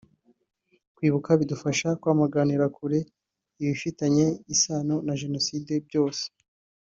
Kwibuka bidufasha kwamaganira kure ibifitanye isano na Jenoside byose